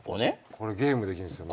これゲームできるんすよ。